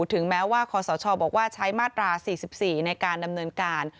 ถึงแม้ว่าขอสาวชอบอกว่าใช้มาตราสี่สิบสี่ในการดำเนินการ